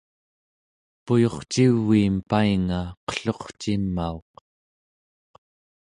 puyurciviim painga qellurcimauq